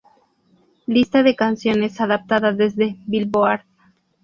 Lista de canciones adaptada desde "Billboard".